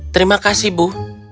terima kasih ibu